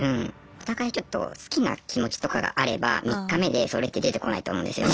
お互いちょっと好きな気持ちとかがあれば３日目でそれって出てこないと思うんですよね。